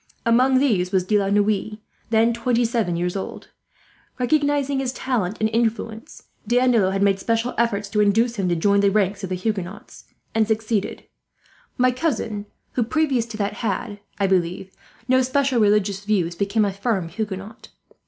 Among these was De La Noue, then twenty seven years old. Recognizing his talent and influence, D'Andelot had made special efforts to induce him to join the ranks of the Huguenots, and succeeded. "My cousin, who previous to that had, I believe, no special religious views, became a firm Huguenot.